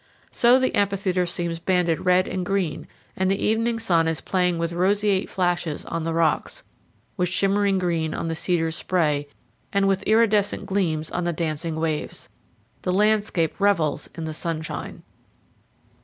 So the amphitheater seems banded red and green, and the evening sun is playing with roseate flashes on the rocks, with shimmering green on the cedars' spray, and with iridescent gleams on the dancing waves. The landscape revels in the sunshine.